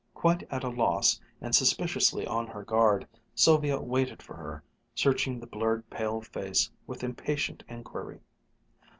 Quite at a loss, and suspiciously on her guard, Sylvia waited for her, searching the blurred pale face with impatient inquiry.